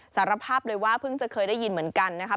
สารภาพเลยว่าเพิ่งจะเคยได้ยินเหมือนกันนะครับ